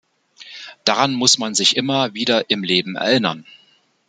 Daran muss man sich immer wieder im Leben erinnern.